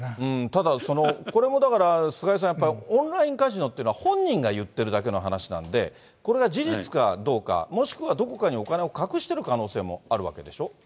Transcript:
ただ、これもだから、菅井さん、オンラインカジノって、本人が言ってるだけの話なんで、これが事実かどうか、もしくはどこかにお金を隠してる可能性もあるわけでしょ？